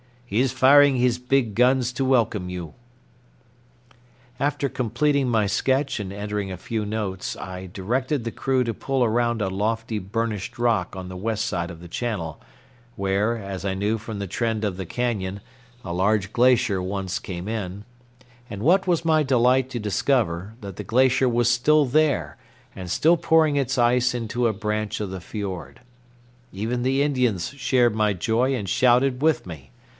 "He is firing his big guns to welcome you." After completing my sketch and entering a few notes, I directed the crew to pull around a lofty burnished rock on the west side of the channel, where, as I knew from the trend of the cañon, a large glacier once came in; and what was my delight to discover that the glacier was still there and still pouring its ice into a branch of the fiord. Even the Indians shared my joy and shouted with me.